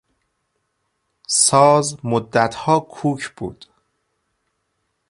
ساز مدتها کوک بود.